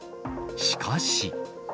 しかし。